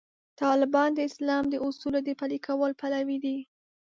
طالبان د اسلام د اصولو د پلي کولو پلوي دي.